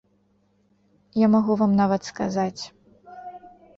Я магу вам нават сказаць.